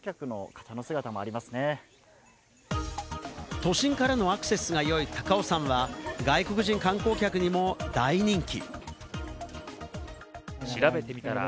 都心からのアクセスが良い高尾山は、外国人観光客にも大人気！